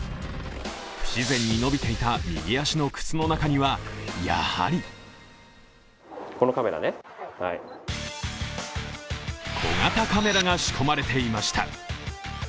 不自然に伸びていた右足の靴の中には、やはり小型カメラが仕込まれていました。